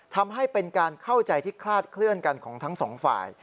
ทำให้เป็นการเข้าใจที่คลาดเคลื่อนกันของทั้งสองฝ่าย